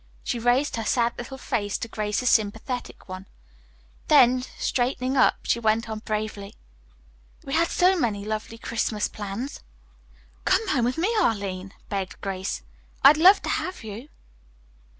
She raised her sad little face to Grace's sympathetic one, then, straightening up, she went on bravely, "We had so many lovely Christmas plans." "Come home with me, Arline," begged Grace. "I'd love to have you."